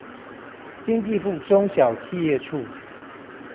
經濟部中小企業處